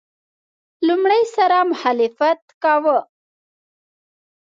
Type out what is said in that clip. لومړي سره مخالفت کاوه.